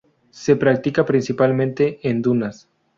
Se practica principalmente en dunas.